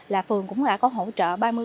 là phường cũng đã có hỗ trợ ba mươi